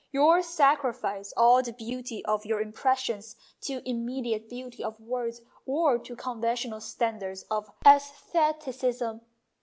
You sacrifice all the beauty of your impressions to the immediate beauty of words or to conventional standards of sestheticism."